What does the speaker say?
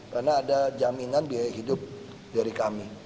karena ada jaminan biaya hidup dari kami